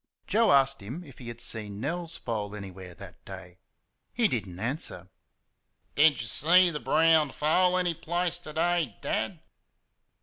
Joe asked him if he had seen Nell's foal anywhere that day. He did n't answer. "Did y' see the brown foal any place ter day, Dad?"